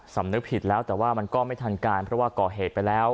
สำนึกผิดแล้วแต่ว่ามันก็ไม่ทันการเพราะว่าก่อเหตุไปแล้ว